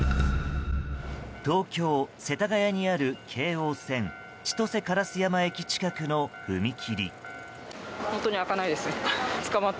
東京・世田谷にある京王線千歳烏山駅近くの踏切。